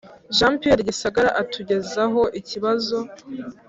Jean Pierre Gisagara atugezaho ikibazo